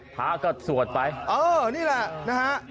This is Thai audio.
พระก็สวดไปเออนี่แหละนะฮะ